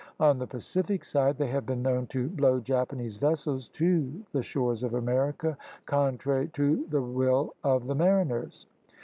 On the Pacific side they have been known to blow Japanese vessels to the shores of America con trary to the will of the mariners.